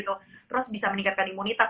terus bisa meningkatkan imunitas